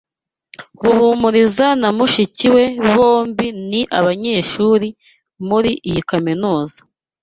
Ruhumuriza na mushiki we bombi ni abanyeshuri muri iyi kaminuza.